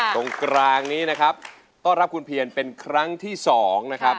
ตรงกลางนี้นะครับต้อนรับคุณเพียรเป็นครั้งที่๒นะครับ